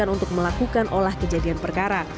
untuk melakukan olah kejadian perkara